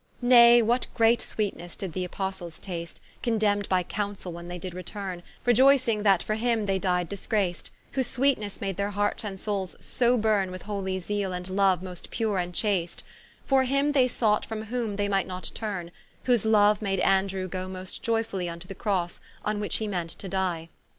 Nay, what great sweetnesse did th'Apostles taste, Condemn'd by Counsell, when they did returne; Rejoycing that for him they di'd disgrac'd, Whose sweetnes made their hearts and soules so burne With holy zeale and loue most pure and chaste; For him they sought from whome they might not turne: Whose loue made Andrew goe most joyfully, Vnto the Crosse, on which he meant to die.